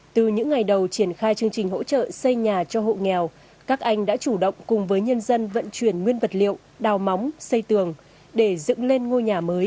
từ những ngày đầu triển khai chương trình hỗ trợ xây nhà cho hộ nghèo các anh đã chủ động cùng với nhân dân vận chuyển nguyên vật liệu đào móng xây tường để dựng lên ngôi nhà mới